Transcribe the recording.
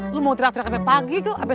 lo mau diteriak teriak sampe pagi tuh